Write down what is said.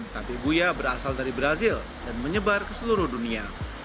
tapi buya berasal dari brazil dan menyebar ke seluruh dunia